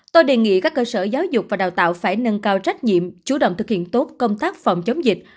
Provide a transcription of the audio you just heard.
tôi đề nghị các cơ sở giáo dục và đào tạo phải nâng cao trách nhiệm chủ động thực hiện tốt công tác phòng chống dịch